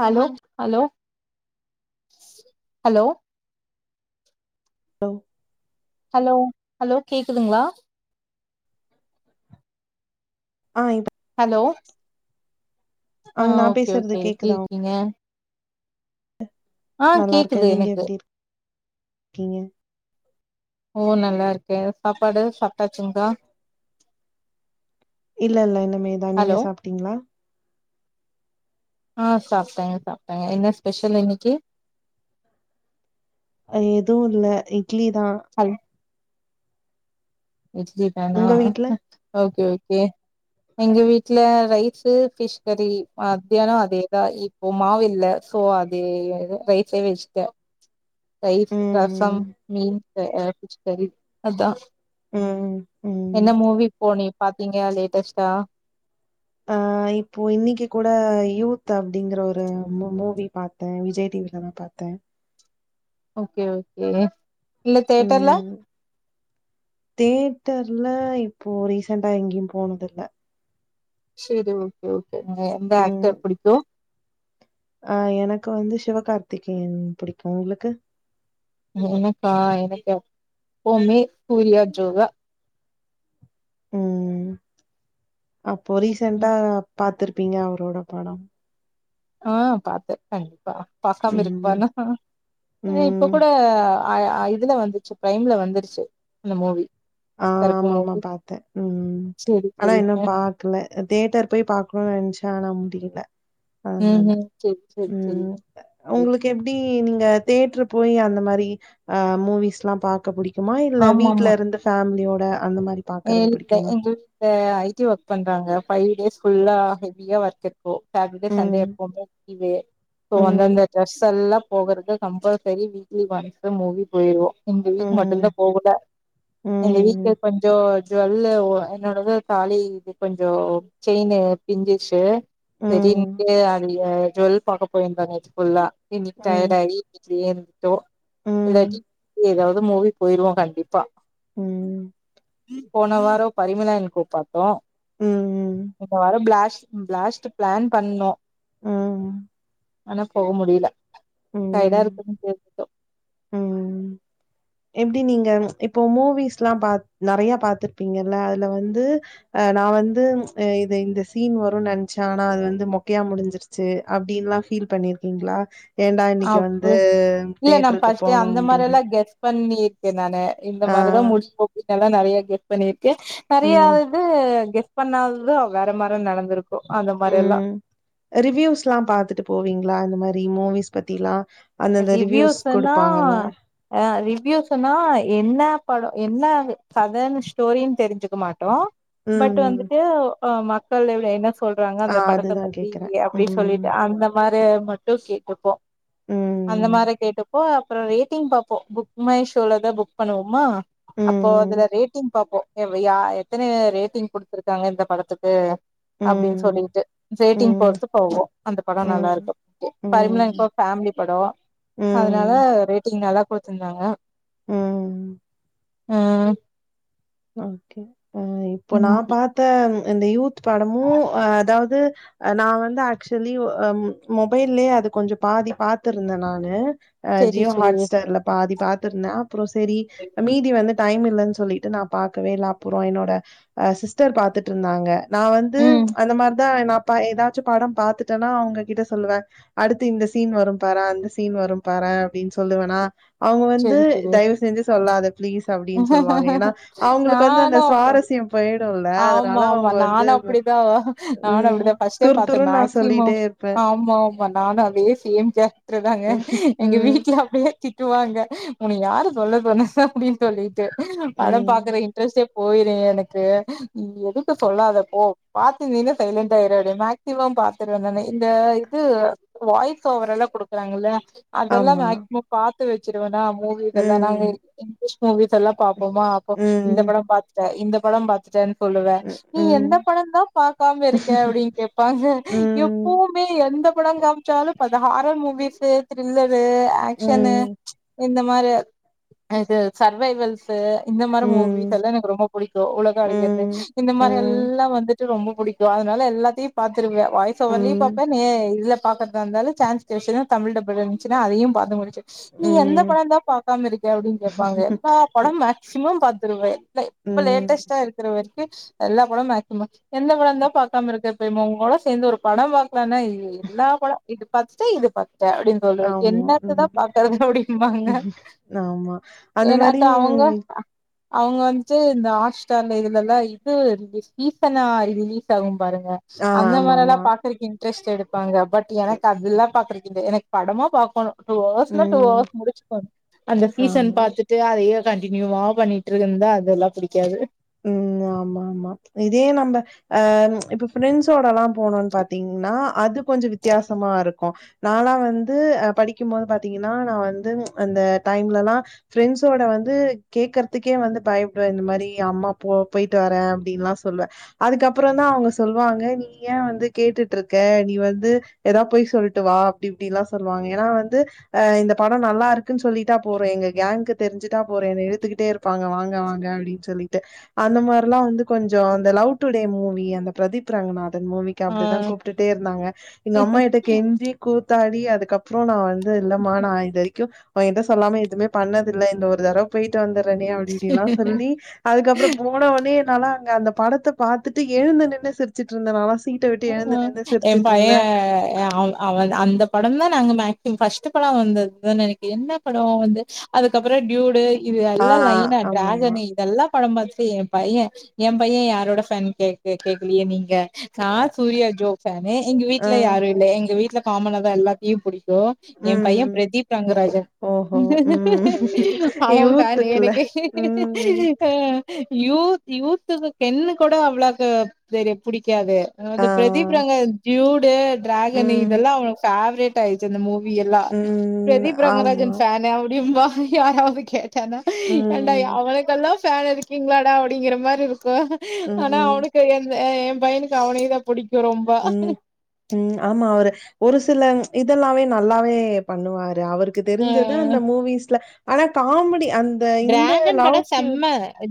Hello hello hello hello hello hello கேக்குதுங்களா ஆ இப்ப ஹலோ ஆ நா ஓகே பேசுறது ஓகே எப்டி கேக்குதா இருக்கீங்க ஆ நல்லா கேக்குது இருக்கேன் நீங்க எனக்கு எப்டி இர் கீங்க ஓ நல்லா இருக்கேன் சாப்பாடு சாப்ட்டாச்சுங்கள இல்ல இல்ல இனிமே தான் நீங்க ஹலோ சாப்ட்டீங்களா ஆ சாப்ட்டேங்க சாப்ட்டேங்க என்ன ஸ்பெஷல் இன்னைக்கு எதுவும் இல்ல இட்லி தான் ஹல் இட்லி தானா உங்க வீட்ல ஓகே ஓகே எங்க வீட்ல ரைஸ் பிஷ் கறி மத்தியானம் அதே தான் ஓ மாவு இல்ல சோ அதோ ரைஸே வெச்சிட்டே தயிர் ரைஸம் ம் ரசம் மீன் ஃபிஸ் கறி அதான் ம் ம் என்ன மூவி போனி பாத்தீங்கா லேட்டஸ்ட்டா ஆ இப்போ இன்னைக்கு கூட யூத் அப்டிங்கற ஒரு மூவி பாத்த தே விஜய் டிவிலதான் பாத்தேன் ஓகே ஓகே இல்ல தியட்டர்ல ம் தேட்டர்ல இப்போ ரீசென்டா எங்கேயும் போனத இல்ல செரி ஓகே ஓகே நீங்க எந்த ம் ஆக்டர் பிடிக்கு ஆ எனக்கு வந்து சிவ கார்த்திகேயன் பிடிக்கும் உங்களுக்கு எனக்கா எனக்கு எப்மே சூர்யா ஜோ ம் அப்போ ரீசென்டா ம் பாத்திருப்பீங்க அவரோட படம் ஆ பாத்தேன் கண்டிப்பா பாக்காம ம். இருக்குப்பானா இப்போ ம். கூட இதுல வந்துருச்சு பிரைம்ல வந்துருச்சு அந்த மூவி ஆ கருப்பு ஆமா ஆமா மூவி பாத்தேன் ம் சரி ஆனா சரிங்க இன்னும் பா க்கால தேட்டர் போய் பாக்கணும்னு நினைச்சா ஆனா முடியல ம் அதனால ம் சரி சரி சரி ம் ஓகே உங்களுக்கு எப்டி நீங்க தேட்டரு போய் அந்த மாரி ஆ மூவிஸ் எல்லா பாக்க பிடிக் குமா இல்ல ஆமாமா வீட்டுல இருந்து ஃபேமிலியோட அந்த மாரி பாக்கறது இல்ல பிடிக்குமா? எங்க வீட்டல ஐ டி ஒர்க் பண்றாங்க ஃபைவ் டேஸ் ஃபுல்லா ஹெவியா ஒர்க் இரு ப்ரே சாட்டடே சண்டே ம். எப்பவுமே இது இப்போ வந்தந்த ம். ட்ரெஸ் எல்லா போகறது கம்பல்சரி வீக்லி ஒன்ஸ் மூவி போயிருவோ இந்த வீக் ம். மட்டும்தா போகல இந்த ம். வீக் கொஞ் ஜோல்லு என்னோடத தாலி இது கொஞ்சோ செயின் பிஞ்சிஷி சரி ம். இன்டு அது ஜோல் பாக்க போயிருந்தோ நேத்து ஃபுல்லா இன்னைக்கு ம். டயர்ட் ஆயி வீட்லயே இருந்துட்டோ ம். இல்லாடி ஏதாவது மூவி போயிருவோ கண்டிப்பா ம். போன வாரோ பரிமிலான் கோ பாத்தோ ம் ம் இந்த வாரோ பிளாஸ் பிளாஸ்ட்டு பிளான் பண்ணோ ம். ஆனா போக முடியல டைடா ம். இருக்குனு அப்டியே விட்டோ ம். எப்டி நீங்க இப்போ மூவிஸ்லா பா நெறைய பாத்துருப்பீங்கல்ல அதுல வந்து அ நா வந்து ஆ இது இந்த சீன் வருனு நெனைச்சே ஆனா அது வந்து மொக்கையா முடிஞ்சிருச் சி அப்டின்ல்லா ஃபீல் பண்ணிருக்கீங்களா ஏன்டா இன்னைக்கு அப்றோ வந்து இல்ல நா தேட்டருக்கு ஃபர்ஸ்ட்டே போனோ அந்த அப்டின்னு மாரில்லா கெஸ் பண்ணிருக்கே நானு இந்த ஆ மாரிதா முடிய போதுல்லா நெறைய கே பண்ணிருக்கே நெறைய ம் இது கேஷ் பண்ணாதது வேற மாரி நடந்திருக் கு அந்த மாரி எல்லா ரிவ்யூஸ் எல்லா பாத்துட்டு போவீங்களா இந்த மாரி மூவிஸ் பத்தி எல்லா அந்தந்த ரிவ்யூஸ் ரிவ்யூஸ்ன்னா கொடுப்பாங்கள்ல ரிவ்யூஸ்ன்னா என்ன படோ என்ன கதன்னு ஸ்டோரின்னு தெரிஞ்சுக்க மாட்டோ ம் பட் ம் வந்துட்டு மக்கள் எப்டி என்ன சொல்றாங்க ஆ அந்த படத்த அதுதான் பத்தி கேக்குறேன் அப்டி ம் சொல்லிட்டு அந்த மாரி மட்டு கேட்டுப்போ அந்த ம் மாரி கேட்டுப்போ அப்புறோ ரேட்டிங் பாப்போ புக் மை ஷோலதா புக் பண்ணுவோமா அப்போ அதுல ம் ரேட்டிங் பாப்போ யா எத்தன ரேட்டிங் குடுத்துருக்காங்க இந்த படத்துக்கு ம் அப்டின்னு ம் சொல்லிட்டு ரேட்டிங் ம் போத்து போவோ அந்த படம் நல்லா ம் இருக்கு அப்டின்டு ம் பரிமலன் ம் கோ ஃபேம்மிலி படோ அதனால ம். ரேட்டிங் நல்லா கொடுத்திருந்தாங்க ம். ஆ ஓகே ஆ இப்போ நா ம் பாத்த இந்த யூத் படமு அதாவது நா வந்து ஆக்சுவலி ஆ மொபைல்லயே அது கொஞ்சோ பாதி பாத்துருந்தே நானு அ செரி ஜியோ செரி ஹாட் ஸ்டார் இல பாதி பாத்துருந்தே அப்புற சேரி மீதி வந்து டைம் இல்லன்னு சொல்லிட்டு நா பாக்கவே இல்லா அப்புறோ என்னோட ஆ சிஸ்டர் பாத்துட்டு இருந்தாங்க நா வந்து ம் அந்த மார்தா நா பா ஏதாச்சு பாடம் பாத்துட்டேன்னா அவுங்ககிட்ட சொல்லுவ அடுத்து இந்த சீன் வரு பார அந்த சீன் வரு பார அப்டின்னு சொல்லுவன்னா அவுங்க வந்து செரி செரி தயவு செஞ்சு சொல்லாத பிளீஸ் அப்டின்னு சொல்லுவாங்க ஏனா அவுங்களுக்கு வந்து அந்த நானு சுவாரஸ்யம் போயிடும்ல அதனால ஆமா ஆமா அவுங்க வந்து நானு அப்டிதா நானு ம் அப்டிதா ஃபர்ஸ்ட்டே துர் பாத்தே துருன்னு நா மேக்சிமம் சொல்லிட்டே இருப்பேன். ஆமா ஆமா நானு அதே சேம் கேரக்டர் தாங்க எங்க ம், வீட்டுல அப்டியே தி ட்டுவாங்க உன்ன யாரு சொல்ல சொன்னது அப்டின்னு சொல்லிட்டு பட ம், பாக்கற இன்ட்ரெஸ்டே போயிரு எனக்கு நீ எதுக்கு சொல்லாத போ பாத்திருந்தின சைலன்ண்டா இரு மேக்சிமம் பாத் திருவ நானு இந்த இது வாய்ஸ் ஓவர் எல்லா குடுக்குறாங்கல்ல அதெல்லா ஆமா. மேக்சிமம் பாத்து வச்சிருவேன்னா மூவிஸ் இதெல்லா ம், இங்கிலீஷ் மூவிஸ் எல்லா பாப்போமா அப்போ இந்த ம், படம் பாத்துட்ட இந்த படம் பாத்துட்டன்னு சொல்லுவ ம், நீ எந்த ம், படந்தா பாக்காம இருக்க அப்டின்னு கேப்பாங்க எப்பவு ம், வுமே எந்த படம் காமிச்சாலு இப்ப ஹாரர் மூவிஸ் த்ரில்லரு ஆக்ஷனு ம், இந்த மாரி அ இது சர்வைவல்ஸ்ஸு இந்த மாரி ம், மூவிஸ் எல்லா எனக்கு ரொம்ப புடிக்கும் உளவு தொழைக்கிறது ம், இந்த மாரி ம், எல்லா வந்துட்டு ரொம்ப புடிக்கு அதனால எல்லாத்தையு பாத்துருப்வே வாய்ஸ் ஓவர்லயூ ம், பாப்பே நே இதுல்ல பாக்கறதா இருந்தாலு சான்ஸ் கெடைச்சுன்னா தமிழ் டப்புல இருந்துச்சுனா அதையு பாத்து முடிச்சு நீ எந்த ம், படம் தா பாக்காம இருக்க அப்டின்னு கேப்பாங்க எல்லா படம் மேக்சிமம் பாத்துருவே இல்ல இப்ப ம் லேட்டஸ்ட் வரைக்கு எல்லா படம் மேக்சிமம் எந்த படம் தா பாக்காம இருக்க உங்க கூட சேந்து ஒரு படம் பாக் லானா எல்லா படம் இது பாத்துட்ட இது பாத்துட்ட அப்டின்னு சொல்ற ஆமா, என்னாத்ததா ம், பாக்கறது அப்டிம்பாங்க ஆமா. அந்த மாரி எனாத்த அவங்க அவுங்க வந்துட்டு இந்த ஆஷ் ஸ்டா அந்த இதுலல்லா இது சீசன் னா ரிலீஸ் ஆகும் பாருங்க ஆ அந்த மாரி ஆமாமா. எல்லாம் பாத்திருக்கீங் இடரெஸ்ட் எடுப்பாங்க பட் எனக்கு அததுல்லாம் பாக்கறதில்ல எனக்கு படமா பாக்கணு டூ ஹவர்ஸ்னா டூ ம், ஹவர்ஸ் முடிச்சுக்கணு அந்த சீசன் ஆமா. பாத்துட்டு அதையே கண்டினியூவா பண்ணிட்டு இருந்தா அதெல்லா புடிக்காது ம் ஆமா ஆமா இதே நம்ப அ இப்ப ஃப்ரெண்ட்ஸோட எல்லா போணோன் பாத்தீங்கன்னா அது கொஞ்சோ வித்தியாசமா இருக்கு நாலா வந்து அ படிக்கும்போது பாத்தீங்கன்னா நா வந்து அந்த டைம்லல்லா ஃப்ரெண்ட்ஸோட வந்து கேக்குறதுக்கே வந்து பயப்படுவ இந்த மாரி அம்மா போ போயிட்டு வரே அப்டின்லா சொல்லுவ அதுக்கப்புறோ தா அவுங்க சொல்லுவாங்க நீ ஏ வந்து கேட்டுட்ருக்க நீ வந்து ஏதா போய் சொல்ட்டு வா அப்டி இப்டிலா சொல்லுவாங்க ஏனா வந்து அ இந்த படோ நல்லா இருக் குன் சொல்லிட்டா போறோ எங்க கேங்க்கு தெரிஞ்சுட்டா போறோ என்ன இழுத்துக்கிட்டே இருப்பாங்க வாங்க வாங்க அப்டின்னு சொல்லி ட்டு அந்த மாரிலா வந்து கொஞ்சோ அந்த லவ் டுடே மூவி அந்த பிரதீப் ரங்கநாதன் மூவி க்கு அப்டிதா கூப்ட்டுட்டே இருந்தாங்க எங்க ஆ அம்மா கிட்ட கெஞ்சி கூத்தாடி அதுக்கப் றோ நா வந்து இல்லமா நா இது வரைக்கு ஒகிட்ட சொல்லாம எதுவுமே பண்ணதில்ல இந்த ஒரு தடவ போயிட்டு வந்தறனே அப்டி இப்டின்ல்லா சொல்லி அதுக்கப்புறோ போனொன்னே நாலா அங்க அந்த படத்த பாத்துட்டு எழுந்த நின்னு சிரிச்சுட்டு இருந்த நாலா சீட்ட விட்டு ம் எழுந்து ம் நின்னு எ சிரிச்சிட்டு பைய இருந்தே எ அவ அவ அந்த படந் தா நாங்க மேக்சிமம் ஃபஸ்ட்டு படம் அவந்தது நெனைக்க என்ன படோ வந்து அதுக்கப்புறோ டியூடு இது ஆ எல்லா லைனா ஆமாமா டிராகனு இதெல்லா படம் பாத்துட்டு என் பையன் எ பையன் யாரோட ஃபேன் கே கேக்கலையே நீங்க நா சூர்யா ஜோ ஃபேனு எங்க ஆ வீட்ல யாரு இல்ல எங்க வீட்ல காமனாதா எல்லாத்தையு பிடிக்கு ம் எ பைய ம் பிரதீப் ரங்கராஜன் ஓஹோ ம் அவ ஃபேனு யூத்துக்குள்ள எனக்கே ம் ஆ யூத் யூத்துக்கு கென்னு கூட அவ்ளோக்கு தெரிய புடிக்காது அது ஆ பிரதீப் ரங்க டியூடு டிராகன் ம் இதெல்லா அவனுக் ஃபேவரேட் டாயிச்சு அந்த மூவி எல்லா ம். பிரதீப் ஆமா. ரங்கராஜன் ஃபேனு அப்டிம்பா யாராவது கேட்டான்னா ஏடா ம். அவனுக்கெல்லா ஃபேன் இருக்கீங்களாடா அப்டிங்கற மாரி இருக்கு ஆனா ம். அவனுக் கு எந்த எ பையனுக்கு அவனேதா புடிக்கு ரொம்ப ம். ம் ஆமா அவரு ஒரு சில இதெல்லாமே நல்லாவே பண்ணுவாரு அவருக்கு அ தெரிஞ்சத அந்த மூவிஸ்ல ஆனா காமெடி அந் த இந்த டிராகன் படோ லவ்ட்யூட் செம்ம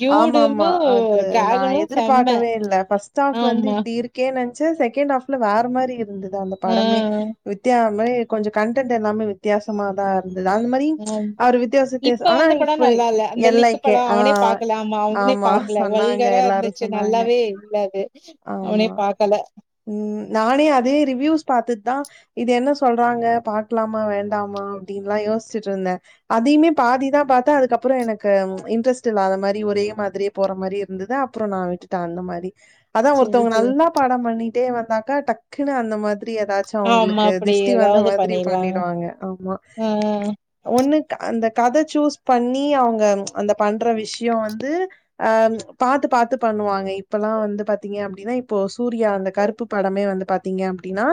டியூடுமு ஆமாமா அது நா டிராகனு செம்ம எதுர்பார்க்கவே இல்ல ஃபஸ் தாஃப் வந்து ஆமா இப்டி இருக்கே நென்ச்ச செக்கேண்ட ஹாஃப்ல வேற மாரி இருந்துது அந்த படமே ம், வித்தியா மாரி கொஞ்ச கன்டென்ட் எல்லாமே வித்யாஸ் தமாதா இருந்துது அந்த மரி ம். அவர் வித்யாஸ் வித்யாச ஆனா இப்ப எல்லை படோ அவனே பாக்கல ஆமா அவ்னே பாக்குல சொன்னாங்க வல்கரா எல்லாரும் இர்ந்துச்சு சொன்னாங்க. நல்லாவே இல்ல அது அவுனே ஆமா பாக்கல ம் நானே அதே ரிவயூஸ் பாத்துட் தா இது என்ன சொல்றாங்க பாக்லாமா வேண்டாமா அப்டின்லா யோஸ்ச்சுட்டு இர்ந்த அதயுமே பாதிதா பாத்தா அதுக்கப்புற எனக்கு இட்ரெஸ்ட் இல்ல அந்த மாரி ஒரே மாத்ரியே போற மாரி இருந்துது அப்றோ நா விட்டுட்ட அந்த மாரி அதா சரி, ஒருத்தவங்க சரி. நல்லா பாட பண்ணிகிட்டே வந்தாக்கா டக்குன்னு அந்த மாத்ரி எதாத் ஆமா, அவுங்ளுக்கு அப்படி திஷ்டி வந்த ஏதாவது மாத்ரி பண்ணிருவாங்க. பண்ணிடுவாங்க ஆமா அ, அ. ஒன்னுக் அந்த கத சூஸ் பண்ணி அவ்ங்க அந்த பண்ற விஷ்யோ வந்து அ பாத்து பாத்து பண்ணுவாங்க இப்பல்லா வந்து பாத்தீங்க அப்டினா இப்போ சூர்யா அந்த கருப்பு படமே வந்து பாத்தீங்க அப்டினா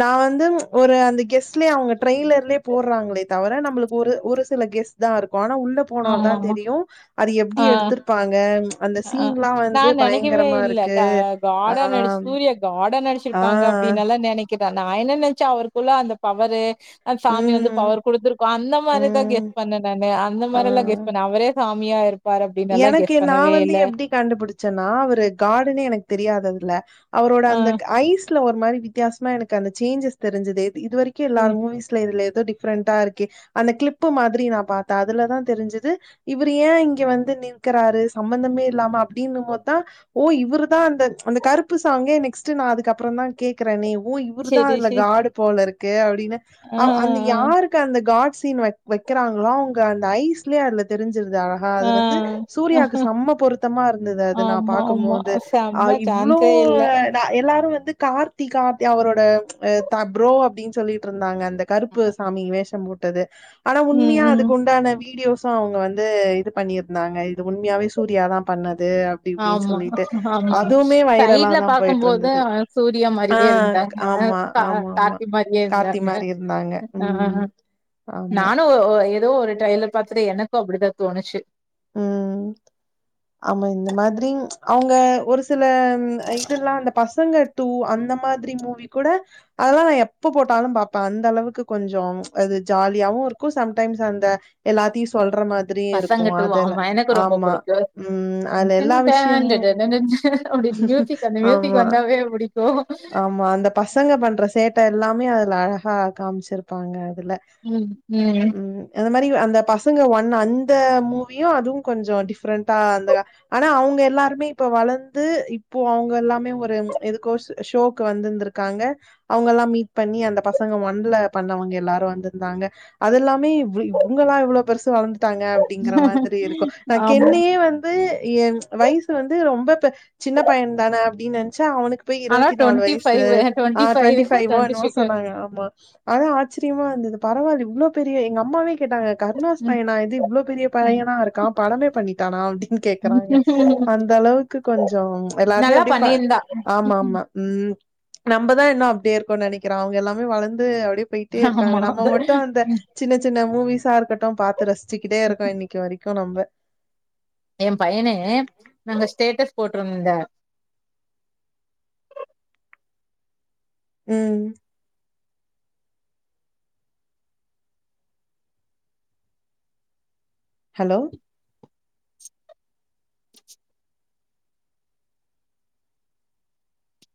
நா வந்து சஒரு அந்த கெஸ்லே அவுங்க ட்ரெய்லர்லே போட்றாங்களே தவர நம்ப்ளுக்கு ஒரு ஒரு சில கெஸ் தா இருக்கு ஆனா உள்ள போனாதா ஆமாமா. தெரியு அது ஆ, எப்டி எடுத்துருப்பாங்க அந்த ஆ. சீன்லா வந்து நான் நெனைக்கவே பயங்கரமா இல்ல. இருக்கு அ ஆ காடா நடிச் சூரிய காடா ஆ நடிச்சுருப்பாங்க அப்டின் எல்லா நெனைக்கிற நா என்ன நென்ச்ச அவருக்குள்ள அந்த பவரு சாமி வந்து ம் பவர் குடுத்துருக்கு அந்த மாரி தா கெஸ் ம் பண்ண நானு அந்த மாரில்லா ஆ கெஸ் பண்ண அவரே சாமியா இருப்பார் அப்டின் எல்லா கெஸ் பண்ணவே இல்ல கண்டுபுடிச்சன்னா அவரு காடுன்னு எனக்கு தெரியாது அதுல அவுரோட அந்த ஆ. ஐஸ் ட்டுல ஒரு மாரி வித்யாசமா எனக்கு அந்த சேஞ்சஸ் தெரிஞ்சிது எது இது வரிக்கு எல்லாத மூவிஸ் இதுல எதோ டிஃப்ரெண்டா இருக்கு அந்த க்ளிப்பு மாத்ரி நா பாத்த அதுலதா தெரிஞ்சுது இவுரு ஏ இங்க வந்து நிர்க்குறாரு சம்பந்தமே இல்லாம அப்டின்னுமோத்தா ஓ இவுரு தா அந்த அந்த கருப்பு சாங்கே நெக்ஸ்ட்டு நா அதுக்கப்பறந்தா கேக்குற ஒ இ இவுருதா சரி அதுல சி காடு போலருக்கு அப்டின்னு ஆ அந்த யாருக்கு அந்த காட் சீன் வக் வக்கிறாங்களோ அவங்க அந்த ஐஸ்லே அதுல தெரிஞ்சுருது அழகா ஆ அது வந்து ஆ சூர்யாக்கு செம்ம பொருத்தமா இருந்துது அது நா ஆமா ஆமா பாக்கும்போது ஆ செம்ம இவ்ளோ சான்ஸே இல்ல தா எல்லாரு வந்து கார்த்தி காத் அவுரோட த ப்ரோ அப்டின் சொல்லிட்டு இருந்தாங்க அந்த கருப்பு சாமி வேஷ போட்டது ஆனா ம் உண்மியா ம் அதுக்கு உண்டான வீடியோஸ் தா அவுங்க வந்து இது பண்ணிருந்தாங்க இது உண்ம்யாவே சூர்யாதா பண்ணது இப்டின்னு ஆமா சொல்லிட்டு ஆமா அதுவுமே வைரலா சைட்ல தா போயிட்டு பாக்கும்போது இருந்தது சூர்யா ஆ மாரியே இருந்தாங்க ஆமா த ஆமா ஆமா கார்த்தி மாரியே கார்த்தி இருந்தாங்க மாரி இருந்தாங்க ஆ ம் ஆமா நானு ஒ ஒ எத் தோ ஒரு ட்ரய்லர் பாத்துட்டு எனக்கு அப்புடிதா தோணுச்சு ம் ஆமா இந்த மாத்ரி அவுங்க ஒரு சில இதுல்லா அந்த பசங்க து அந்த மாத்ரி மூவி கூட அதல்லா நா எப்ப போட்டாலு பாப்ப அந்த அளவுக்கு கொஞ்சோ அது ஜாலியாவு இருக்கு சம் டைம்ஸ் அந்த எல்லாத்தியு சொல்ற மாதுரியு இருக்கு அத் வயனுக்கு ரொம்ப புடிக்கு அதுல எல்லா விஷயமும் அப்டின் மியூசிக் அந்த மியூசிக் ஆமா, வந்தா பே புடிக்கு ஆமா அந்த பசங்க பண்ற சேட்ட எல்லாமே அதுல அழகா காம்ச்சுருப்பாங்க அதுல ம் ம் அந்த மாரி அந்த பசங்க ஒண்ண அந்த மூவியும் அதுவு கொஞ்சோ டிஃப்ரெண்டா அந்த ஆனா அவுங்க எல்லாருமே இப்ப வளந்து இப்போ அவங்க எல்லாமே ஒரு எதுக்கோ ஷோக்கு வந்துருந்துருக்காங்க அவுங்க எல்லா மீட் பண்ணி அந்த பசங்க ஒண்ல பண்ணவங்க எல்லாரும் வந்துருந்தாங்க அதுல்லாமே இவங்களாம் இவ்வளவு பெருசு வளந்துட்டாங்க அப்டிங்கற மாரி இருக்கும் நா ஆமா கென்னையே வந்து வந்து எ வயசு வந்து ரொம்ப சின்ன பையன் தானே அப்டின்னு நென்ச்ச அவனுக்கு போயி ஆனா பத்தி நாலு டுவெண்ட்டி வயசு ஃபைவ் ஆ டுவெண்ட்டி ஃபைவ் ட்வெண்டி ஃபைவோ டுவெண்ட்டி சிக்ஸ் சொன்னாங்க ஆமா அதுவு ஆச்சரியமா இருந்தது பரவாயில்ல இவ்ளோ பெரிய எங்க அம்மாவே கேட்டாங்க கர்ணாஸ் பையனா இது இவ்ளோ பெரிய ம் பையனா இருக்கா படமே பண்ணிட்டானா அப்டீன் னு கேக்குறாங்க அந்த அளவுக்கு கொஞ்சோ எல்லாருமே நல்லா அப்டி ஃபா பண்ணியிருந்தா ஆமாமா ம் நம்மதா இன்னோ அப்டியே இருக்கனு நெனைக்குறோ அவுங்க எல்லாமே வளந்து அப்டியே போய்ட்டே இருக்காங்க ஆமா நம்ம மட்டு அந்த சின்ன சின்ன மூவிஸா இருக்கட்டோ பாத்து ரசிச்சுக்கிட்டே இருக்கோ இன்னக்கி வரிக்கோ நம்ப எ பையனே நாங்க ஸ்டேட்டஸ் போட்டுருந்த ம் ஹலோ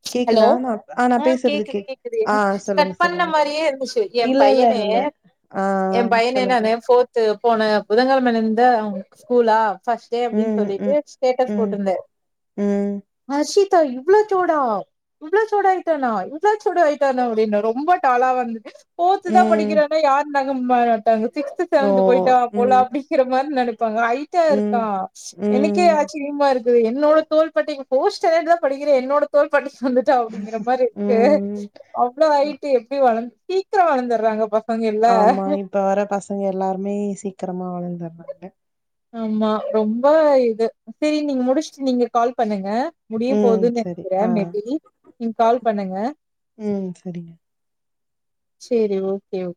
ச் ஹலோ கேக்குதா? நான் ஆ நான் பேசுறது கேக்குது கேக் கேக்குது ஆ என்ன கட் சொல்லுங்க, பண்ண சொல்லுங்க. மாரியே இருந்துச்சு எ இல்ல, இல்ல, பையனே இல்ல. ஆ எ பையனே சொல்லுங்க. நானே ஃபோர்த்து போன புதங்கழமலுந்தே ஸ்கூலா ஃபஸ்ட்டே அப்டீன்னு ம், சொல்லிட்டு ம், ஸ்டேட்டஸ் ம், போட்டுருந்தே ம். அர்ஷிதா இவ்ளோ சோடா இவ்ளோ சோடாயிட்டானா இவ்ளோ சோடாயிட்டானா அப்டீன்னு ரொம்ப டாளா வந்து ஃபோர்த்துதா ம். படிக்கிறான்னா யாரோ நங்க மாட்டாங்க சிக்ஸ்த்து ஓ! செவன்த்து போயிட்டாங்க போல ம், அப்டீங்கிற மாரி நெனப் ப்பாங்க ஐட்டா ம், இருக்கா எனக்கே ம், ஆச்சரியமா இருக் கு என்னோட தோல்பட்டைக்கு ஃபோர்த் ஸ்டாண்டர்ட்தா படிக்குற என்னோட தோல் பட்டைக்கு வந்துட் ட அப்டீங்குற மாரி இருக்கு ம். அவ்ளோ ஹைட்டு எப்டி வளந் சீக்கிரோ வளந்துறாங்க பசங் ஆமா இப்ப வர பசங்க எல்லாருமே சீக்கிரமா வளந்துர்றாங்க ஆமா ரொம்போ இது செரி நீங்க முடிச்சுட்டு நீங்க கால் பண்ணுங்க முடிய ம். போதுன்னு சரி. நனைக்குறே ஆ. மே பி நீங்க கால் பண்ணுங்க ம் சரிங்க செரி ஓகே ஓ